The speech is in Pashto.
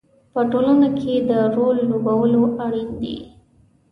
په ټولنه کې د رول لوبول اړین دي.